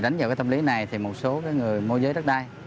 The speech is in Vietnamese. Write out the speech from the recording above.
đánh dựng tâm lý này một số người mua giới đất đai